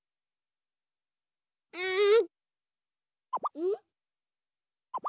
うん。